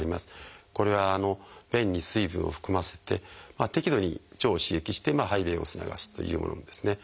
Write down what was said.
これは便に水分を含ませて適度に腸を刺激して排便を促すというものですね。